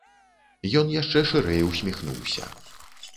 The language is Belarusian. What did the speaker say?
Ён яшчэ шырэй усміхнуўся.